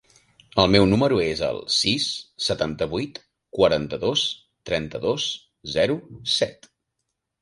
El meu número es el sis, setanta-vuit, quaranta-dos, trenta-dos, zero, set.